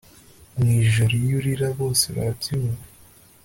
Mwijoro iyo urira bose barabyumva